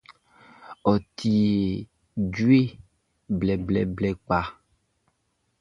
Ɔ tie djue blɛblɛblɛ kpa.